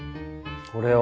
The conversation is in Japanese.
これを。